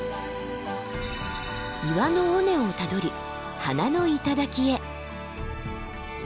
岩の尾根をたどり花の頂へ。